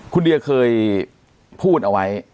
คุณเดียเคยพูดเอาไว้